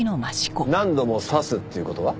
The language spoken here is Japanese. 何度も刺すっていう事は？